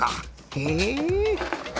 へえ。